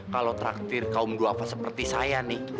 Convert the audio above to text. kalau traktir kaum duafa seperti saya nih